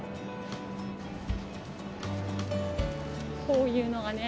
こういうのがね